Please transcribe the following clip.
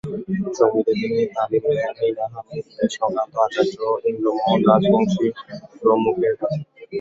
সংগীতে তিনি তালিম নেন নীনা হামিদ, কৃষ্ণকান্ত আচার্য, ইন্দ্রমোহন রাজবংশী প্রমুখের কাছে।